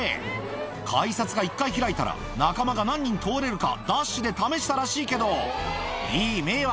改札が１回開いたら、仲間が何人通れるか、ダッシュで試したらしいけど、いい迷惑。